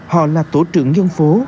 họ là tổ trưởng dân phố